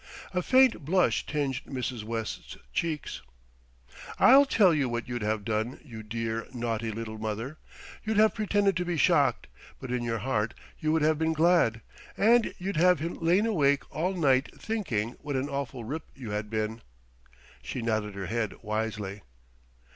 A faint blush tinged Mrs. West's cheeks. "I'll tell you what you'd have done, you dear, naughty little mother. You'd have pretended to be shocked, but in your heart you would have been glad, and you'd have lain awake all night thinking what an awful rip you had been." She nodded her head wisely.